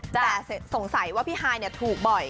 แต่สงสัยว่าพี่ฮายถูกบ่อย